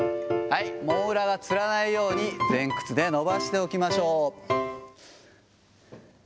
もも裏がつらないように前屈で伸ばしておきましょう。